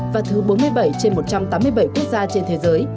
và thứ bốn mươi bảy trên một trăm tám mươi bảy quốc gia trên thế giới